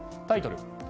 タイトル